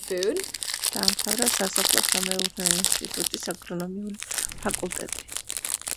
დაამთავრა სასოფლო-სამეურნეო ინსტიტუტის აგრონომიული ფაკულტეტი.